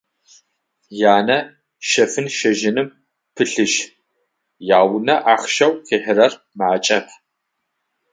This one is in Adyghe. Янэ щэфын-щэжьыным пылъышъ, яунэ ахъщэу къихьэрэр макӏэп.